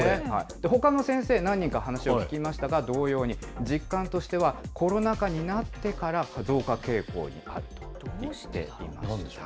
ほかの先生、何人か話を聞きましたが、同様に、実感としてはコロナ禍になってから、増加傾向にあるとしていました。